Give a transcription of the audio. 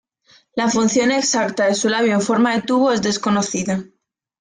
La función exacta de su labio en forma de tubo es desconocida.